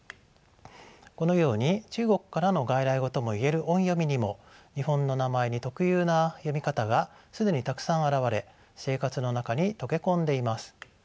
このように中国からの外来語とも言える音読みにも日本の名前に特有な読み方が既にたくさん現れ生活の中に溶け込んでいます。